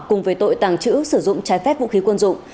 cùng với tội tàng trữ sử dụng trái phép vũ khí quân dụng